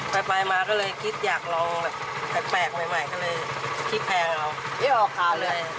ไปมาก็เลยคิดอยากลองแบบแปลกใหม่ก็เลยคิดแพงเอา